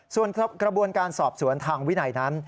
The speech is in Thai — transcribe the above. ส่วนกระบวนการสอบสวนทางวินัยนั้น